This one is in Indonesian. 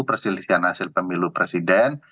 perselisihan hasil pemilu presiden